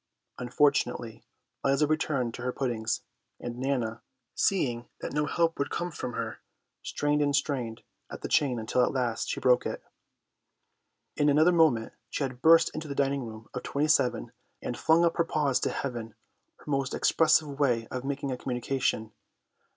Unfortunately Liza returned to her puddings, and Nana, seeing that no help would come from her, strained and strained at the chain until at last she broke it. In another moment she had burst into the dining room of 27 and flung up her paws to heaven, her most expressive way of making a communication. Mr.